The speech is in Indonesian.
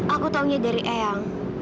aku taunya dari eyang